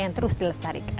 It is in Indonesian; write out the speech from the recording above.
yang terus dilestarikan